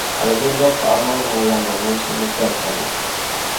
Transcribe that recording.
Alizanda paɣaba maa ŋmanila ŋmanamsi mini kpantana.